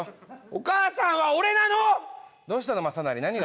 お母さんは俺なの！